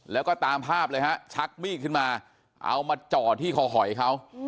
แล้วก็ตามภาพเลยฮะชักมีดขึ้นมาเอามาจ่อที่คอหอยเขา